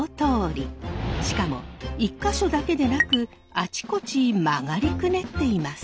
しかも１か所だけでなくあちこち曲がりくねっています。